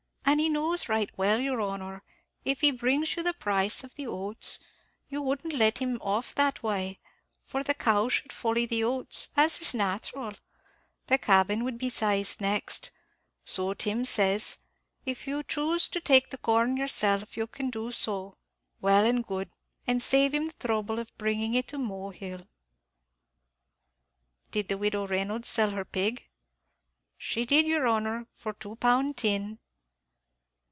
An' he knows right well, yer honor, if he brings you the price of the oats, you wouldn't let him off that way; for the cow should folly the oats, as is nathural; the cabin would be saized next; so Tim ses, if you choose to take the corn yourself, you can do so; well an' good, and save him the throuble of bringin' it to Mohill." "Did the widow Reynolds sell her pig?" "She did, yer honor, for two pound tin."